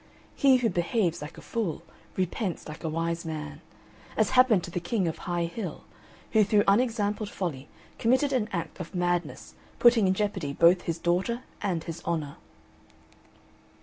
He who behaves like a fool repents like a wise man; as happened to the King of High Hill, who through unexampled folly committed an act of madness putting in jeopardy both his daughter and his honour.